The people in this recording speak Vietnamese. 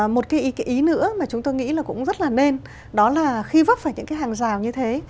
một cái ý nữa mà chúng tôi nghĩ là cũng rất là nên đó là khi vấp phải những cái hàng rào như thế